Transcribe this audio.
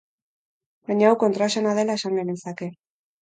Baina hau kontraesana dela esan genezake.